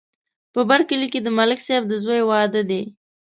په بر کلي کې د ملک صاحب د زوی واده دی